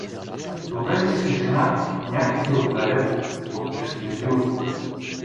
Доведе си жена някъде отдалеко, от Кюстендилско.